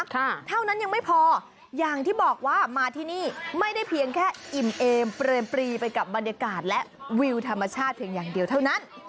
เท่านั้นยังไม่พออย่างที่บอกว่ามาที่นี่ไม่ได้เพียงแค่อิ่มเอมเปรมปรีไปกับบรรยากาศและวิวธรรมชาติเพียงอย่างเดียวเท่านั้น